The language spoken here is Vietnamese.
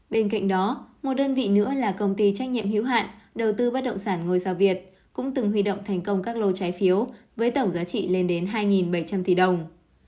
bên cạnh đó một đơn vị nữa là công ty trách nhiệm hiếu hạn đầu tư bất động sản ngôi sao việt cũng từng huy động thành công các lô trái phiếu với tổng giá trị lên đến hai bảy trăm linh tỷ đồng